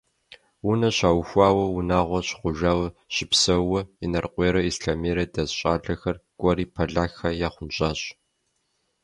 Унэ щаухуауэ, унагъуэ щыхъужауэ щыпсэууэ, Инарыкъуейрэ Ислъэмейрэ дэс щӏалэхэр кӏуэри полякхэр яхъунщӏащ.